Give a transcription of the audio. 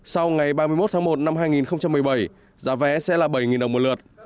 sau ngày ba mươi một tháng một năm hai nghìn một mươi bảy giá vé sẽ là bảy đồng một lượt